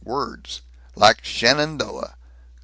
Words. Like Shenandoah.